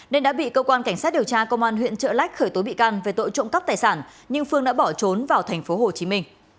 nên đã bị cơ quan cảnh sát điều tra công an huyện trợ lách khởi tố bị can về tội trộm cắp tài sản nhưng phương đã bỏ trốn vào tp hcm